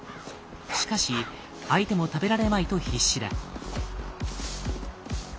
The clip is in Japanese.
しかし相手も食べられまいと必死だ。